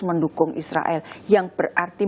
mendukung israel yang berarti